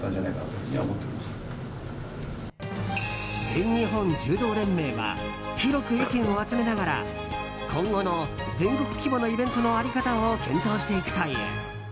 全日本柔道連盟は広く意見を集めながら今後の全国規模のイベントの在り方を検討していくという。